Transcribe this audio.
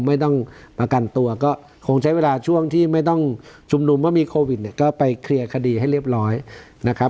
ไม่ต้องประกันตัวก็คงใช้เวลาช่วงที่ไม่ต้องชุมนุมว่ามีโควิดเนี่ยก็ไปเคลียร์คดีให้เรียบร้อยนะครับ